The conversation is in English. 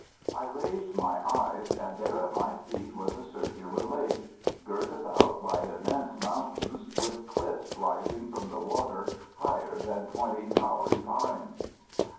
I raised my eyes and there at my feet was a circular lake, girt about by immense mountains, with cliffs rising from the water higher than twenty Kauri pines.